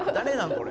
これ」